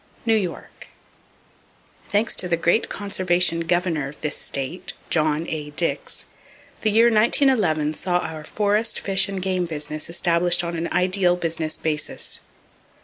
New York. —Thanks to the great conservation Governor of this state, John A. Dix, the year 1911 saw our forest, fish and game business established on an ideal business basis.